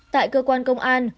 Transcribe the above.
tại cơ quan công an